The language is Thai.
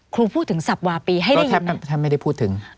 ครูพูดถึงสับวาปีให้ได้ยินนะก็แทบไม่ได้พูดถึง